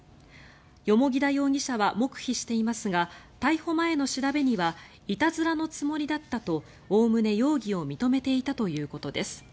蓬田容疑者は黙秘していますが逮捕前の調べにはいたずらのつもりだったとおおむね容疑を認めていたということです。